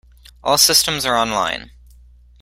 All systems are online.